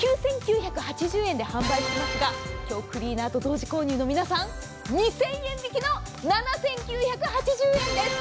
９９８０円で販売していますがクリーナーと同時購入の皆さん２０００円引きの７９８０円です。